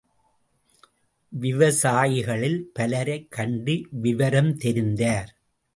விவசாயிகளில் பலரைக் கண்டு விவரம் தெரிந்தார்.